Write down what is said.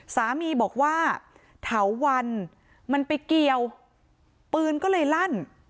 สามีบอกว่าเถาวันมันไปเกี่ยวปืนก็เลยลั่น